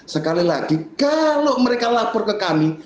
sekali lagi kalau mereka lapor ke kami